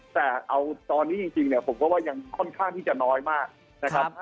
แต่เอาตอนนี้จริงยังค่อนข้างที่จะน้อยมาย